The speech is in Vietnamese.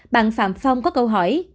bạn phạm phong có câu hỏi